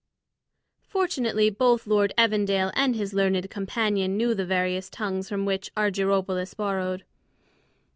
Fortunately, both Lord Evandale and his learned companion knew the various tongues from which Argyropoulos borrowed.